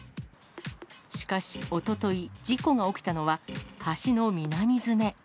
しかしおととい、事故が起きたのは橋の南詰。